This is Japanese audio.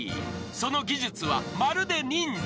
［その技術はまるで忍者］